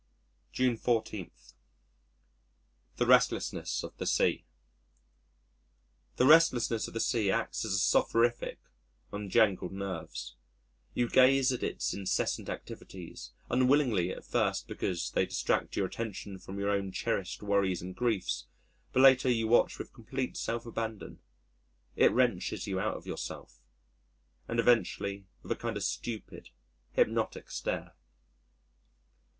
June 14. The Restlessness of the Sea The restlessness of the sea acts as a soporific on jangled nerves. You gaze at its incessant activities, unwillingly at first because they distract your attention from your own cherished worries and griefs, but later you watch with complete self abandon it wrenches you out of yourself and eventually with a kind of stupid hypnotic stare.